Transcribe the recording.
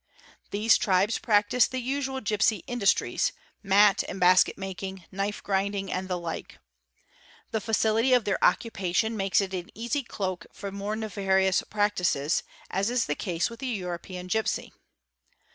These tribes practi GENERAL CONSIDERATIONS 355 the usual gipsy industries—mat and basket making, knife grinding, and the like. The facility of their occupation makes it an easy cloak for more nefarious practices, as is the case with the European gipsy.